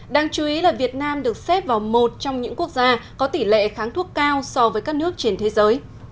đáng chú ý là việt nam được xếp vào một trong những quốc gia có tỷ lệ kháng thuốc cao so với các nước trên thế giới